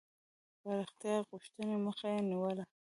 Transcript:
پراختیا غوښتني مخه یې نیوله.